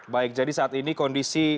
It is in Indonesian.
baik jadi saat ini kondisi